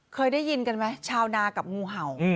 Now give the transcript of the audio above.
เคยได้ยินกันไหมชาวนากับงูเห่า